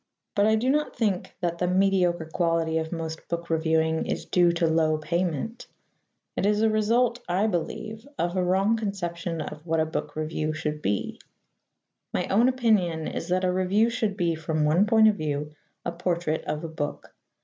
But I do not think that the mediocre quality of most book reviewing is due to low payment. It is a result, I believe, of a wrong conception of what a book review should be. My own opinion is that a review should be, from one point of view, a portrait of a book.